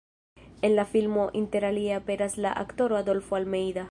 En la filmo interalie aperas la aktoro Adolfo Almeida.